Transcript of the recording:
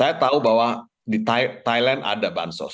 saya tahu bahwa di thailand ada bansos